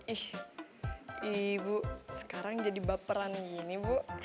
ih ibu sekarang jadi baperan gini bu